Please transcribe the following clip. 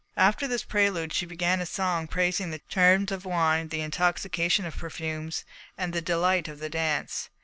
After this prelude she began a song praising the charms of wine, the intoxication of perfumes, and the delight of the dance.